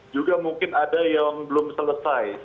juga mungkin ada yang belum selesai